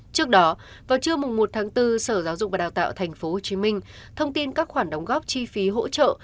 trước đó vào trưa một tháng bốn sở giáo dục và đào tạo tp hcm thông tin các khoản đóng góp chi phí hỗ trợ